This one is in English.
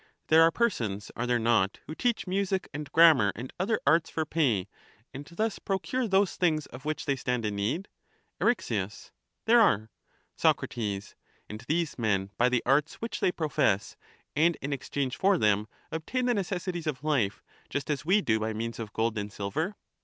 There The arts too are persons, are there not, who teach music and grammar J*5 ^^hem and other arts for pay, and thus procure those things of the needs of which they stand in need ? £edare satis" Eryx. There are. Soc. And these men by the arts which they profess, and in exchange for them, obtain the necessities of life just as we do by means of gold and silver?